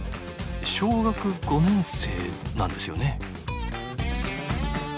小学５年生なんですよね？